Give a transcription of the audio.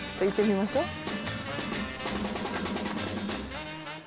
行ってみましょう。